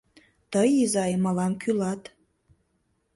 — Тый, изай, мылам кӱлат.